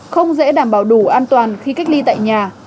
không dễ đảm bảo đủ an toàn khi cách ly tại nhà